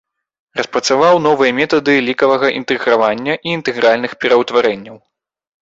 Распрацаваў новыя метады лікавага інтэгравання і інтэгральных пераўтварэнняў.